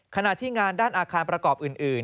ขณะที่งานด้านอาคารประกอบอื่น